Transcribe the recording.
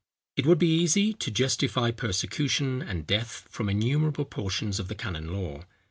It would be easy to justify persecution and death from innumerable portions of the canon law.